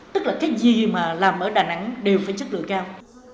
tức là cái gì mà làm ở đà nẵng đều phải chất lượng cao